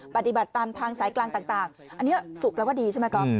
ปฏิบัติตามทางใส่กลางต่างอันเนี่ยสูบแล้วดีใช่ไหมกล่อง